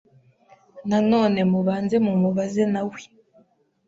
Na none mubanze mumubaze nawe